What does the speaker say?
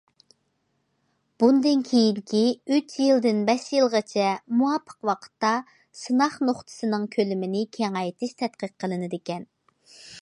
بۇندىن كېيىنكى ئۈچ يىلدىن بەش يىلغىچە مۇۋاپىق ۋاقىتتا سىناق نۇقتىسىنىڭ كۆلىمىنى كېڭەيتىش تەتقىق قىلىنىدىكەن.